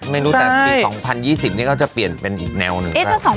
ไม่รู้แต่ปี๒๐๒๐นี่ก็จะเปลี่ยนเป็นอีกแนวหนึ่ง